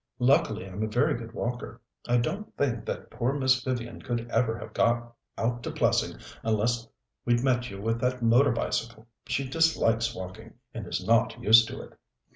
"Luckily I'm a very good walker. I don't think that poor Miss Vivian could ever have got out to Plessing unless we'd met you with that motor bicycle. She dislikes walking, and is not used to it."